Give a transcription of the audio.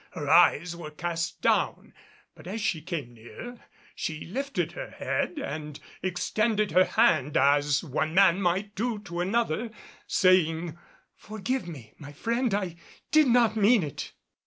Her eyes were cast down, but as she came near she lifted her head and extended her hand as one man might do to another, saying, "Forgive me, my friend, I did not mean it."